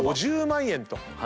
５０万円と。